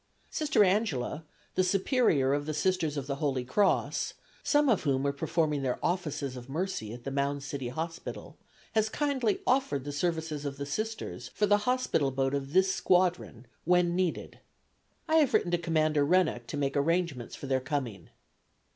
Sister Angela, the Superior of the Sisters of the Holy Cross (some of whom are performing their offices of mercy at the Mound City Hospital), has kindly offered the services of the Sisters for the hospital boat of this squadron when needed. I have written to Commander Rennock to make arrangements for their coming.